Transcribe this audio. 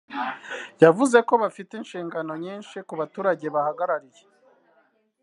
yavuze ko bafite inshingano nyinshi ku baturage bahagarariye